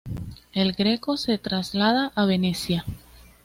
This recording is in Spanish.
El Greco se traslada a Venecia.